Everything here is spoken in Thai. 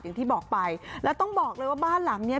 อย่างที่บอกไปแล้วต้องบอกเลยว่าบ้านหลังเนี้ย